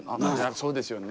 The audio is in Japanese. そうですよね。